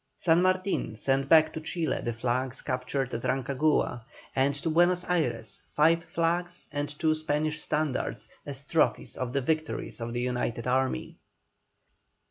San Martin sent back to Chile the flags captured at Rancagua, and to Buenos Ayres five flags and two Spanish standards, as trophies of the victories of the united army.